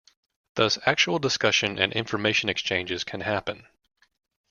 Thus, actual discussion and information exchanges can happen.